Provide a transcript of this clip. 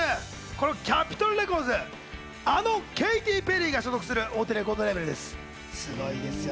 このキャピトル・レコーズ、あのケイティ・ペリーなどが所属する大手レコードレーベルです。